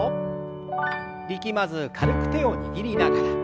力まず軽く手を握りながら。